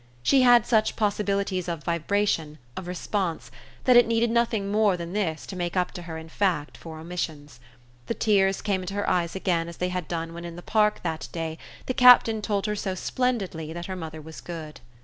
She had such possibilities of vibration, of response, that it needed nothing more than this to make up to her in fact for omissions. The tears came into her eyes again as they had done when in the Park that day the Captain told her so "splendidly" that her mother was good.